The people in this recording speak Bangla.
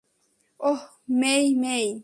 ওহ, মেই-মেই।